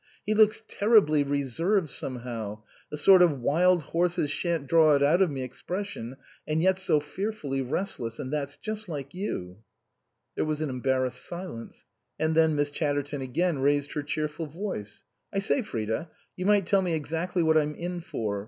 He looks terribly reserved somehow a sort of wild horses shan't draw it out of me expression, and yet so fearfully rest less ; and that's just like you." There was an embarrassed silence ; and then Miss Chatterton again raised her cheerful voice. " I say, Fridah ! you might tell me exactly what I'm in for.